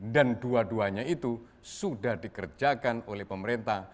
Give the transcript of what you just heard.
dan dua duanya itu sudah dikerjakan oleh pemerintah